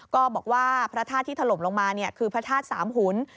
ก็บอกว่าพระธาตุที่ถล่มลงมาคือพระธาตุสามหุ่น